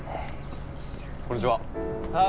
こんにちは。